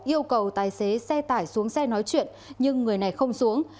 yêu cầu tài xế xe tải xuống xe nói chuyện nhưng người này không xuống